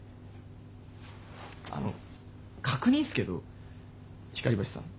あの確認っすけど光橋さん。